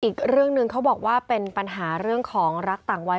อีกเรื่องหนึ่งเขาบอกว่าเป็นปัญหาเรื่องของรักต่างวัย